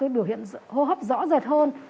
biểu hiện hô hấp rõ rệt hơn